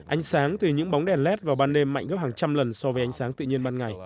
ánh sáng từ những bóng đèn led vào ban đêm mạnh gấp hàng trăm lần so với ánh sáng tự nhiên ban ngày